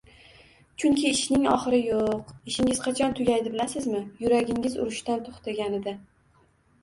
Chunki ishning oxiri yo‘q. Ishingiz qachon tugaydi, bilasizmi? Yuragingiz urishdan to‘xtaganida!